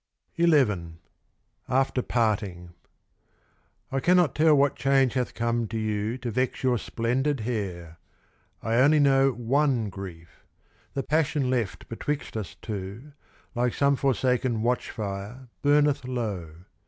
XI After Parting I cannot tell what change hath come to you To vex your splendid hair. I only know One grief. The passion left betwixt us two, Like some forsaken watchfire, burneth low.